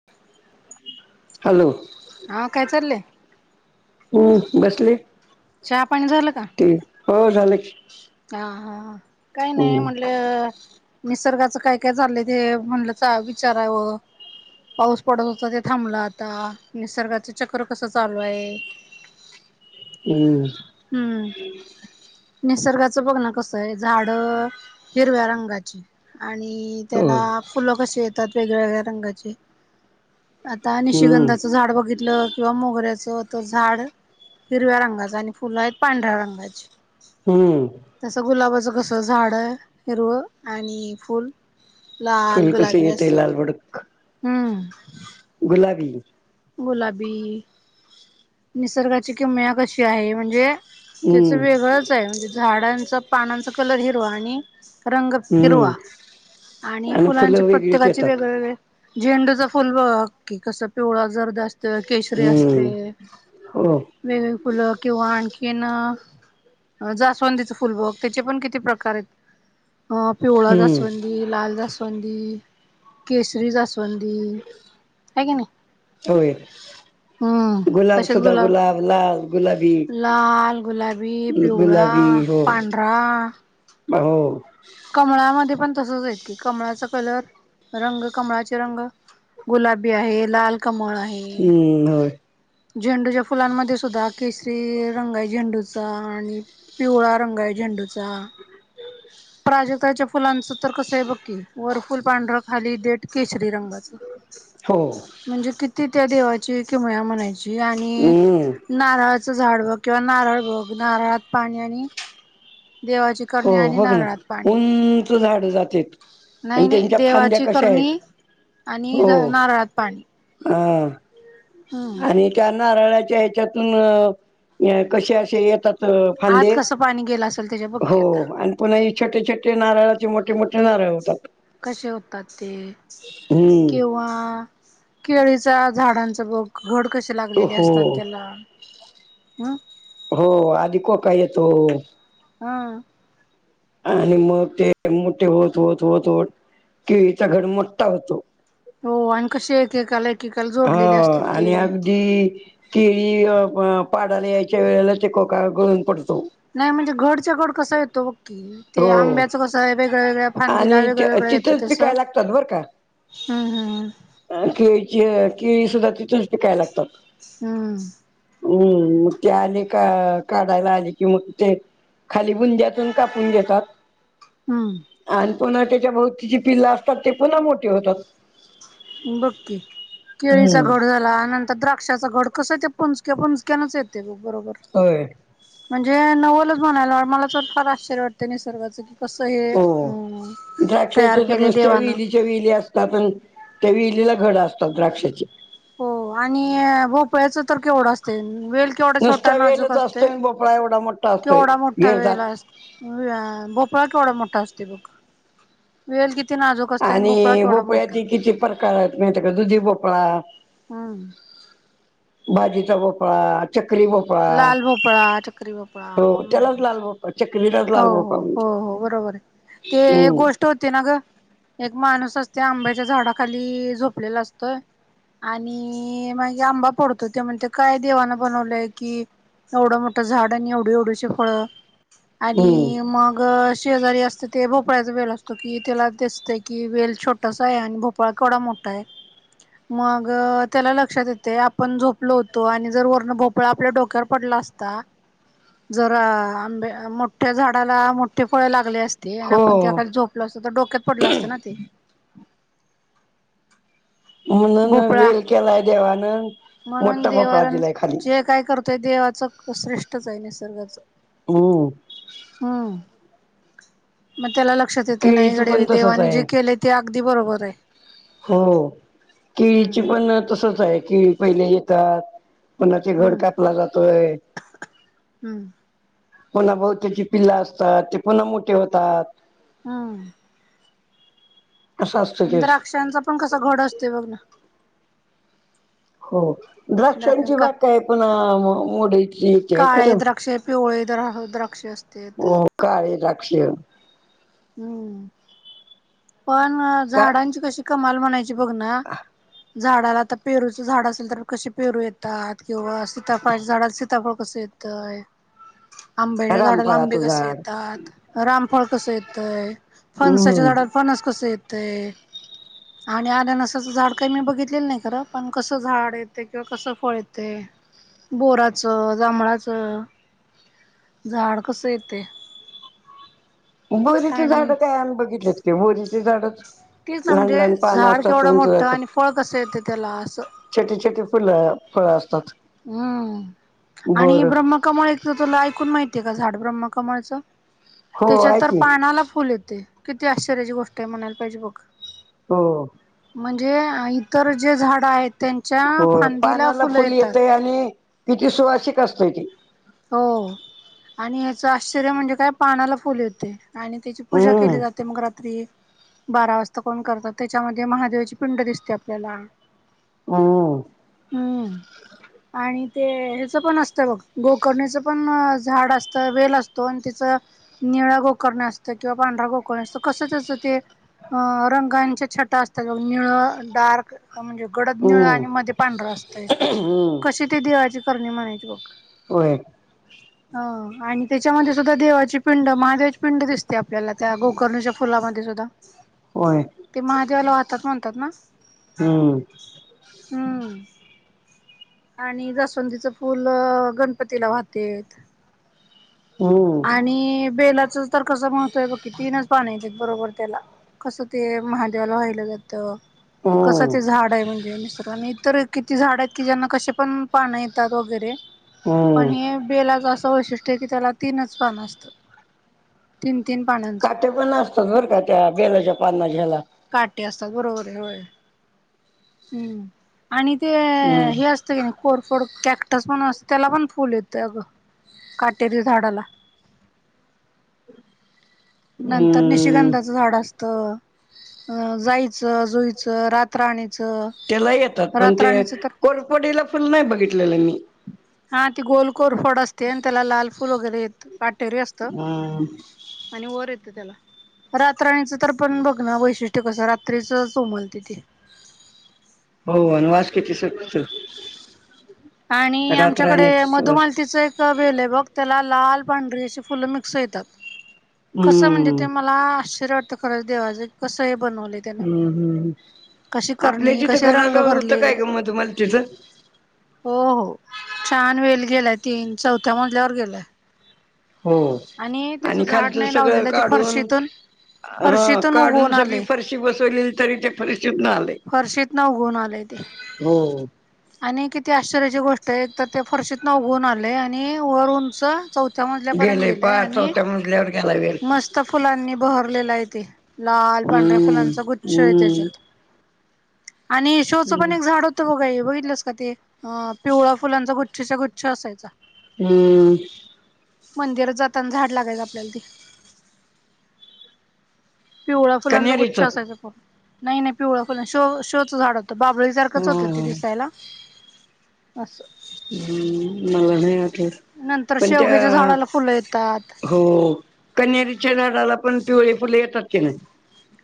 [inaudible] Hello, हा काय चाललंय हम्म बसले चहा पाणी झालं? का ते, हो झालं की. हा हा, काही नाही हम्म म्हणलं निसर्गाचं काय काय चालंय ते, म्हणलंच विचारावं. पाऊस पडत होता ते थांबला आता, निसर्गाचं चक्र कसं चालू आहे? हम्म हम्म, निसर्गात च बघ ना कसं आहे, झाडं हिरव्या रंगाची आणि हो त्याला फुलं कशी येतात वेगळ्या वेगळ्या रंगाची. आता हम्म निशिगंधाचं झाड बघितलं किंवा मोगऱ्याचं तर झाड, हिरव्या रंगाचं आणि फुलं आहेत पांढऱ्या रंगाची. हम्म तसं गुलाबाचं कसं झाडं हिरवं आणि फूल लाल, फुल कसं गुलाबी असं [unintelligible] हम्म गुलाबी गुलाबी, निसर्गाची किमया कशी आहे म्हणजे हम्म त्याचं वेगळंच आहे, म्हणजे झाडांचा पानांचा कलर हिरवा आणि रंग हिरवा, हम्म आणि फुलांचे फुलं वेगळीच प्रत्येकाचे येतात वेगळेवेेगळे झेंडूचं फुल बघ की कसं, पिवळं जर्द अस तर केसरी हम्म असते, हो वेगवेगळे फुलं किंवा आणखीन अ अ जास्वंदीचं फुल बघ त्याचे पण किती प्रकार आहेत, अ पिवळं हम्म जास्व दी लाल जास्वंदी, केसरी जास्वंदी आहे की नाही? होय हम्म गुलाब तसेच सुधा, गुलाब लाल, गुलाबी वी पिवळा, गुलाबी पांढरा म हो कमळामध्ये पण तसच आहेत की, कमळाचा कलर, रंग कमळाचे रंग गुलाबी आहे लाल कमळ आहे. हम्म होय झेंडूच्या फुलांमध्ये सुद्धा, केसरी रंग आहे झेंडूचा आणि पिवळा रंग आहे झेंडूचा. [inaudible] प्राजक्ताच्या फुलांचं तर कसं आहे बक्की वरफुल पांढरं खाली देट केशरी रंगाचं हो म्हणजे किती त्या देवाची किमया म्हणायची आणि हम्म नारळाचं झाड बघ किंवा नारळ बघ नारळात पाणी आणि देवाची हो करणी आणि बघ ना नारळात पाणी उंच झाड जातेत आणि नाही नाही त्यांच्या फांद्या देवाची कशा आहेत करणी आणि हो नारळात पाणी हा हम्म आणि त्यान नारळाच्या ह्याच्यातून क अस येतात आत फांदे कसं पाणी गेला हो आणि पुन्हा छोटे छोटे नारळाचे मोठे मोठे नारळ होतात कसे होतात ते हम्म किंवा केळीचा झाडांचा बघ घड कसे लागलेले असतात हो त्याला हं हो आधी को का येतो हम आणि मग ते मोठे होत होत होत होत किळीचा घड मोठठा होतो हो आणि कसे एककालाय हो आणि अगदी केळी पाडाला यायच्या वेळेला ते कोका गळून पडतो नाही म्हणजे घडच्या घड कसा येतो बाक्की ते हो आंब्याचं कसं आहे वेगळ्या वेगळ्या फांदीला आणि वेगळं वेगळं येतं तिथंच तस पिकायला लागतात बरं का हम हा केळीची केळी सुद्धा तिथूनच पिकायला लागतात हम्म हम्म मग ते आले का काढायला आले कि मग ते खाली बुंद्यातून कापून घेतात हम आणि पुन्हा त्याच्या भोवतीची पिल्ला असतात ते पुन्हा मोठे होतात बक्की केळीचा हम्म गोड झाला नंतर द्र पक्षाचा घड कसं ते पंचक्या पचक्याच येते बरोबर होय म्हणजे नवलच म्हणायला मला तर फारश्र्य वाटतं नाही सर्वचं की कसं हे हो अ तयार द्राक्षच्या तर केले नुसत्याली देवानं वेली असतात त्या वेलीला घड असतात द्राक्षाची हो आणि भोपळायचं तर केवढं असते वेळ केवढा छोटा नुसता नाजूक वेलच असते असतोय आणि भोपळा एवढा मोठा असतोय केवढा मोठा गेरदार. वेळेला अस भोपळा केवढा मोठा असते बघ वेल किती नाजूक असते भोपळा आणि केवढा मोठा बोपळ्याची किती प्रकार आहेत माहती का दुधी भोपळा हा बाजीचा भोपळा चकरी बप लाल भोपळा चकरी भोपळा हो हम्म त्यालाच लाल बा चक्रीला हो हो हो हो बरोबर आहे ते हम्म गोष्ट होते ना ग एक माणूस असते आंब्याच्या झाडाखाली झोपलेला असतंय आणि माग आंबा पडतो ते म्हणते काय देवाना बनवलंय की एवढं मोठ झाड आणि एवढे एवढश फळ हम्म आणि मग शेजारी अस ते भोपाळळाचा वेल असतो कि त्याला दिसतय की वेल छोटासा आहे आणि भोपाळाळ केवढा मोठा आहे मग त्याला लक्षात येते आपण झोपलो होतो आणि जर वर्ण भोपळा आपल्या डोक्यावर पडला अस जरा आंब मो त्या झाडाला मोठे फळे लागले असते आणि आपण हो तेखाली झोपलं असत तर डोक्यात पडलं असतं ना ते म्हणून भोपळा वेल केलाय देवानं म्हणून मोठा देव भोपळा दिलाय खाली जे काय करत ते देवाचं श्रेष्ठच आहे. निसर्गाचं. हं. हम्म. मग त्याला लक्षात येतये नाही केळीच पण गड्या तसच देवानी आहे जे केलय - ते अगदी बरोबर आहे. हो. केळीची हम्म पण तसच आहे. केळी पहिले येतात- कोणाचे घड हम्म कापला जातोय. हम्म पुन्हा बहुतेची पिल्ल असतात. ते पुन्हा मोठे होतात. हम्. असं असतं न तेच द्राक्षांचा पण कसा घड असतोय बघ ना. हो. द्राक्षां द्राक्षांची का बाग काय पुन्हा मोडीची. येते काळे खरं द्राक्षे, पिवळे द्राक्ष असतेत. हो काळी द्राक्ष. हम्म. पण का झाडांची कशी कमाल म्हणायची बघ ना. झाडाला आता, पेरूच झाड असेल तर कसे पेरू येतात किंवा सीताफळाच्या झाड सीताफ- प्रसिद्ध आहे. हम आंब्याच्या झाडाला आंबे कसे येतात? रामफळ कसं येतय? फणसाच्या झाडावर हम्म फणस कसं येतय? आणि आननसाचं झाड काही मी बघितलेलं नाही खरं. पण कसं झाड येतय किंवा कसं फळ येतय? बोराचं, जांभळाच झाड कस येतय? बोरीचे झाड आणि काय आमी बघितलेत की बोरीचे झाडच. तेच ना लहान म्हणजे लहान पानं झाड असतात केवढं उंच मोठं आणि असतात फळ कसं येत त्याला असं. छोटी छोटी फुल फळ असतात. हम्म. आणि बर ब्रम्ह कमळ- तुला ऐकून माहितीय का झाड ब्रह्मकमळच? हो त्याच्यात आहे तर की पानाला फुल येतय. किती आश्चर्यची गोष्ट आहे म्हणायला पाहिजे बघ. हो. म्हणजे इतर जे झाड आहेत- त्यांच्या हो फांदीला पानाला फुलं फुल येतात येतय आणि किती सुवासिक असतय ते. हो. आणि ह्याच आश्चर्य म्हणजे काय पानाला फुल येतंय आणि त्याची पूजा केली हम्म जाते. ते मग रात्री- बारा वाजता कोण करतात. त्याच्यामध्ये महादेवाची पिंड दिसते आपल्याला. ह. हम्म. आणि ते ह्याच पण असतं बघ. गोकर्णीचं पण- झाड असत. वेल असतो आणि तिच- निळा गोकर्ण असतोय किंवा पांढरा गोकर्ण असतो. कसं त्याचं ते- अ. रंगांच्या छटा असतात बघ. निळ डार्क म्हणजे- गडद निळ हम्म आणि मध्ये पांढरं असतय. हम्म कशी ती देवाची करणी म्हणायची बघ. होय. ह. आणि त्याच्यामध्ये सुद्धा देवाची पिंड, महादेवाची पिंड दिसते. ते आपल्याला त्या गोकर्णाच्या फुलामध्ये सुद्धा. होय. ते महादेवाला वाहतात म्हणतात ना? हम. हम्म. आणि जासवंदीच फुल- गणप- पतीला वाहतेत हम्म आणि बेलाच तर कस मग - य बघ की तीनच पान येतात बरोबर त्याला. कसं ते महादेवाला वाहिलं जातं? कसं हम्म ते झाड- म्हणजे निसर्गाने. आणि इतर किती झाड आहेत कि ज्यांना कसे पण पान येतात वगैरे- पण हम्म हे बेलाच असं वैशिष्ट्य की त्याला तीनच पानं असतात. तीन तीन पानं. काटे पण असतात बरं का त्या बेलाच्या पाना ज्याला. काटे असतात बरोबर आहे हम्म आणि ते हम्म हे अस नाही कोरफोड कॅक्टस पण असते त्याला पण फुल येतं अगं काटेरी झाडाला. [inaudible] नंतर हम्म निशिगंधाचं झाड असत अ जाईचं जुईचं रात राणीचं त्याला येतात पण ते कोरपडीला फुल नाही बघितलेलं मी. हा ती गोलकोर फड असते आणि त्याला लाल फूल वगैरे येत काटेरी असत. अ आणि वर येत त्याला. रात्रणीचं तर पण बघ ना वैशिष्ट्य कसं रात्रीच उमलते ती. हो आणि वास किती सुटतो. आणि आमच्याकडे रातराणीचा सुवास मधुमालतीचं एक तवेल हे बघ त्याला लाल पांढरी अशी फुलं मिक्स येतात कसं म्हणजे हम्म ते मला आश्चर्य वाटत खरंच देवाचं कसं हे बनवले त्यानं हम्म हम्म हम्म कशी आपल्या करणी जिथं कसे रंग घराजवळ होतं भरले काय ग मधु मालतीचं? हो हो छान वेल गेलाय तीन चौथ्या मजल्यावर गेलाय. हो त्याचं आणि झाड खालचं नाही सगळं लावलेलं ते काढून फरशीतून हा फरशीतून काढून उगवून सगळी आले फरशी बसवलीली तरी ते फरशीत ना आलय. फरशीत न उगुन आलय ते. हो. आणि किती आश्चर्याची गोष्ट आहे एक तर ते फरशीत न उघून आले आणि वर उंच चौथ च्या मजल्यापर्यंत गेलंय गेलेय पार आणि चौथ्या मजल्यावर गेला वेल मस्त फुलांनी बहरलेला आहे ते. लाल पांढऱ्या हम्म फुलांचा गुच्छ आहे हम्म त्याच्यात. [inaudible] आणि शोचं पण हम्म एक झाड होतं बघा बघित तलस का ते पिवळा फुलांचा गुच्छच्या गुच्छ असायचा. हम्म. मंदिरात जाताना झाड लागायचं आपल्याला ते. पिवळ्या फुलांचा गुच्छ कन्हेरीचं असायचा पूर्ण नाही नाही पिवळ्या फुला शो शोच झाड होत बाबळीसारखंच होतं ते हम्म दिसायला अस. हम्म मला नाही वाटलं. नंतर शेवग्याच्या झाडाला फुलं येतात. हो कनरीच्या झाडाला पण पिवळे फुले येतात की नाही.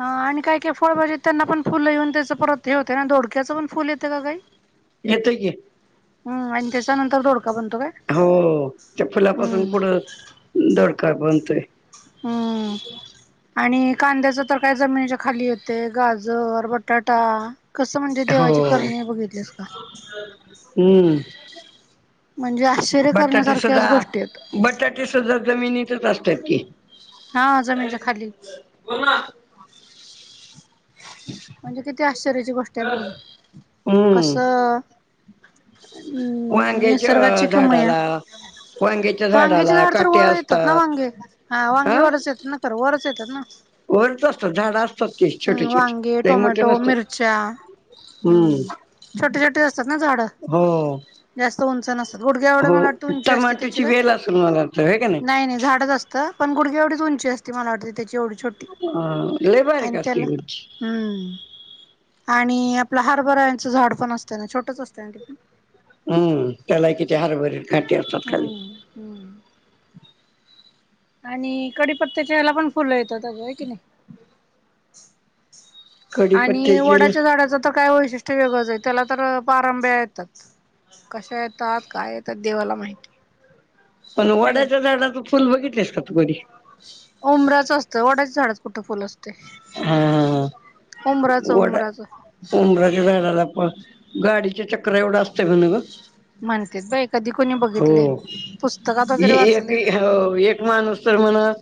हा आणि काय काय फळबाजेत त्यांना पण फुल येऊन त्याच परत हे होतं ना धोडक्यां पण फुल येतं का काही? येत की. हम्म आणि त्याचा नंतर दोडका बनतो काय? हो ते फुलापासून हम्म पुढं दोडका बनतोय. हम्म. [inaudible] आणि कांद्याच तर काय जमिनीच्या खाली येते गाजर बटाटा कसं म्हणजे देवाची हो करणी बघितलीस का. [inaudible] हम्म. म्हणजे आश्चर्य बटाटे करण्यासारख्याच सुद्धा गोष्टी येत. बटाटे सुद्धा जमिनीतच असतात की. हा जमीनीच्या खाली. हो ना. [inaudible] म्हणजे किती आश्चर्याची गोष्ट आहे बघ ना हम्म कस हम्म वांग्याच्या निसर्गाची कमया झाडाला वांग्याच्या वांगीचे झाडाला झाड तर काटे वर येतात ना असतात वांगे हा वांगे वरच येतात ना खरं वरच येतात ना वरत असतात झाडं असतात ते छोटे हम्म वांगे, छोटे लय मोठे टोमॅटो नसतात मिरच्या हम्म छोटे छोटी असतात ना झाड हो जास्त उंच नसत गडग्या ढ्या हो मला वाटत उंची असते त्याची टमाटोची काय वेल असेल मला वाटतं हे का नाही नाही झाडच असते तर पण गुडी एवढी उंची असती मला वाटते त्याची एवढी छोटी ह लेबर आणि कास त्याला करची हम्म आणि आपलं हरभरायचं झाड पण असतं ना छोटच असतं ना ते पण हम् त्याला किती हरभरी काटी असतात खाली हम्म हम्म आणि कडीपत्त्याच्याला पण फुलं येतात आगं हाय की नाही आणि कढीपत्त्याचे ल- वडाच्या झाडाचा तर काय वैशिष्ट्य वेगळंच आहे त्याला तर पारंब्या येतात कशा येतात काय येतात देवाला माहिती पण आहे की नाही वडाच्या झाडाच फुल बघितलेस का तू कधी उमराचं असत वड्याच्या झाडात कुठ फल असतं हा उमराच उमराचं ऊबराच्या झाडाला पण गाडीचे चक्र एवढं असतं म्हण ग म्हणते बाई कधी कोणी बघितले हो पुस्तकात वगैरे ए- एक वाचले एक माणूस तर म्हणा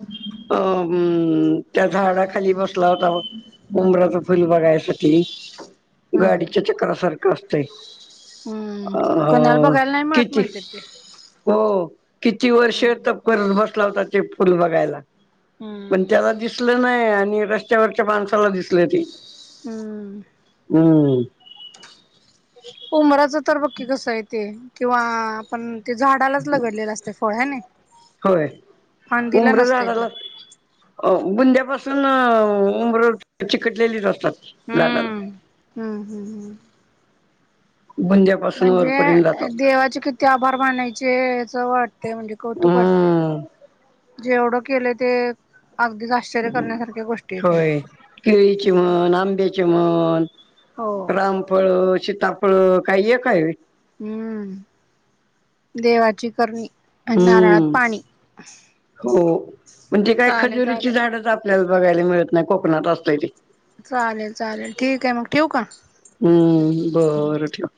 त्या झाडाखाली बस होतांबचा फुल बघायसाठी हम्म गाडीच्या चकासारख असते हम्म कोणाला बघायला नाही म्हणत किती म्हणते ते हो किती वर्ष हम्म तप करत बसला होता ते फुल बघायला पण हम्म त्याला दिसलं नाही आणि रस्त्यावरच्या माणसाला दिसले ते हम्म हम्म उमराच तर बघकी कस आहे ते किंवा पण ते झाडालाच लगडलेलं असते फळ आहेने होय फांदीला नसते ते अ बुंद्यापासून उबर चिकटलेलीच असतात झाडाला हम् हम्म हम् म्हणजे म्हणजे देवाचे किती ते आभार मानायचे अस वाटते म्हणजे कौतुक वाटते हम्म जेवढं ते अगदी होय केळीचे हम्म. म्हण आंब्याची म्हण हो रामफळ शीताफळ काही एक हाय व्हय हम्म देवाची करणी आणि नारळात हम्म पाणी. हो म्हण तेे काय चालेल खजुरीची चालेल झाड आपल्याला बघायला मिळत नाही कोकनाात असले ते चालेल चालेल ठीक आहे मग ठेव का हम्म बरं ठेव